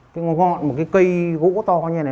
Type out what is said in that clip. cái ngọn một cái cây gỗ to như thế này